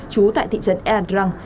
trú tại thị trấn ea trang